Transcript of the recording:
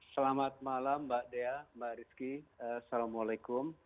selamat malam mbak dea mbak rizky assalamualaikum